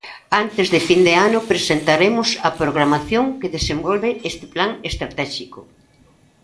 Antes de fin de ano presentaremos a programación que desenvolve este plan estratéxico.